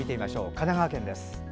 神奈川県です。